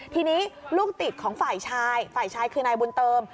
ทีนี้ลูกติดของฝ่ายชายฝ่ายชายคือนายบุญเติม